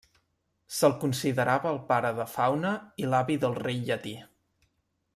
Se'l considerava el pare de Faune i l'avi del rei Llatí.